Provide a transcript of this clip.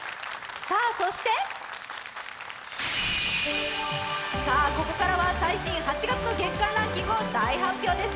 さあそしてここからは最新８月の月間ランキングを大発表です。